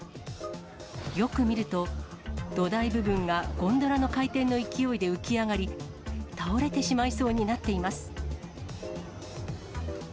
よく見ると、土台部分がゴンドラの回転の勢いで浮き上がり、倒れてしまいそうになっています。